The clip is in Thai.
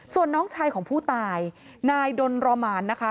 ส่วนน้องชายของผู้ตายนายดนรอมานนะคะ